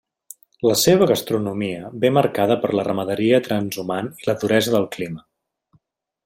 La seva gastronomia ve marcada per la ramaderia transhumant i la duresa del clima.